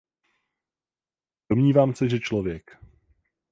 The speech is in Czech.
Domnívám se, že čl.